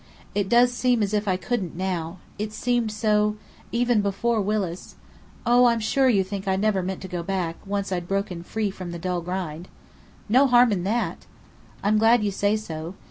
"It does seem as if I couldn't, now. It's seemed so, even before Willis oh, I'm sure you think I never meant to go back, once I'd broken free from the dull grind." "No harm in that!" "I'm glad you say so.